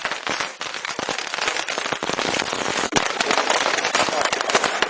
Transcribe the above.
ขอให้ท่านเล่นอยู่ข้างหลังด้านหลังด้วยนะครับ